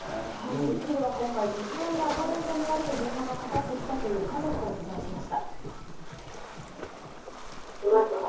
『スッキリ』は今回、実際にアポ電とみられる電話がかかってきた家族を取材しました。